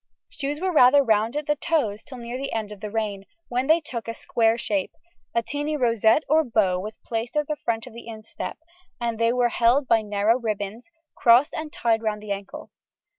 Shoes were rather round at the toes till near the end of the reign, when they took a square shape; a tiny rosette or bow was placed at the front of instep, and they were held by narrow ribbons, crossed and tied round the ankle.